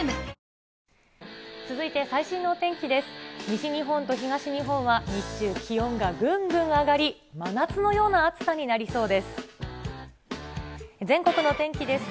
西日本と東日本は、日中、気温がぐんぐん上がり、真夏のような暑さになりそうです。